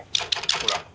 ほら。